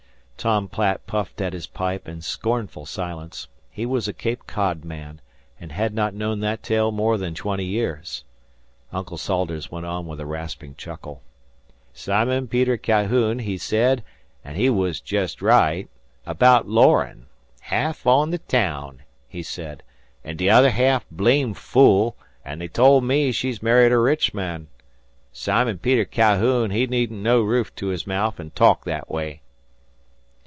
Tom Platt puffed at his pipe in scornful silence: he was a Cape Cod man, and had not known that tale more than twenty years. Uncle Salters went on with a rasping chuckie: "Sim'on Peter Ca'houn he said, an' he was jest right, abaout Lorin', 'Ha'af on the taown,' he said, 'an' t'other ha'af blame fool; an' they told me she's married a 'ich man.' Sim'on Peter Ca'houn he hedn't no roof to his mouth, an' talked that way."